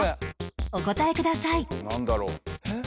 お答えください